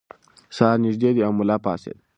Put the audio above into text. سهار نږدې دی او ملا پاڅېد.